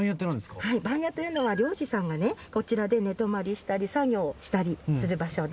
番屋というのは漁師さんがこちらで寝泊まりしたり作業したりする場所で。